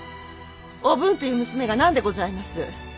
おぶんという娘が何でございます。